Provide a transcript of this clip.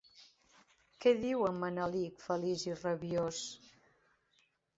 Què diu en Manelic feliç i rabiós?